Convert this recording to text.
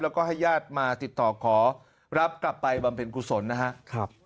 แล้วก็ให้ญาติมาติดต่อขอรับกลับไปบำเพ็ญกุศลนะครับ